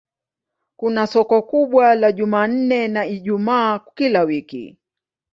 Kuna soko kubwa la Jumanne na Ijumaa kila wiki.